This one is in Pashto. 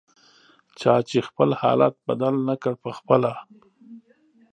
چا چې خپل حالت بدل نکړ پخپله